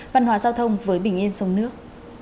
văn hóa giao thông với bình yên sông nước